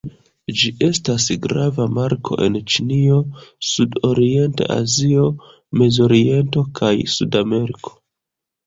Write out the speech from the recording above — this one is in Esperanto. Ĝi estas grava marko en Ĉinio, Sud-Orienta Azio, Mezoriento kaj Sudameriko.